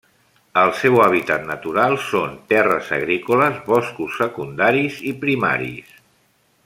El seu hàbitat natural són terres agrícoles, boscos secundaris i primaris.